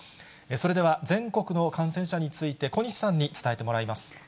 それでは全国の感染者について、小西さんに伝えてもらいます。